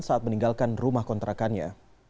saat meninggalkan rumah kontrakannya